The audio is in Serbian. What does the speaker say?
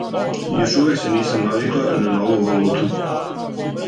Још увек се нисам навикла на нову валуту.